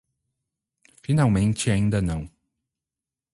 Finalmente ainda não